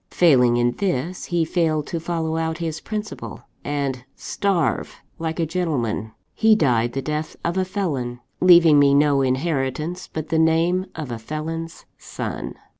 Failing in this, he failed to follow out his principle, and starve like a gentleman. He died the death of a felon; leaving me no inheritance but the name of a felon's son.